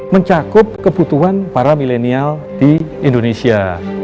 mencakup kebutuhan para milenial di indonesia